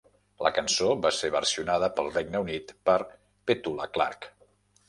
La cançó va ser versionada pel Regne Unit per Petula Clark.